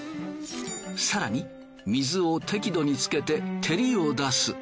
更に水を適度につけて照りを出す。